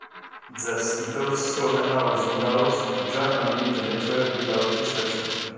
Thus, it also allows nodes to join and leave the network without disruption.